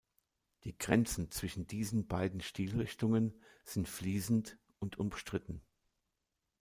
Die Grenzen zwischen diesen beiden Stilrichtungen sind fließend und umstritten.